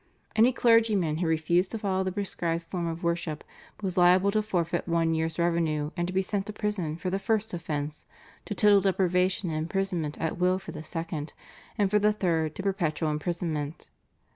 Any clergyman who refused to follow the prescribed form of worship was liable to forfeit one year's revenue and to be sent to prison for the first offence, to total deprivation and imprisonment at will for the second, and for the third to perpetual imprisonment.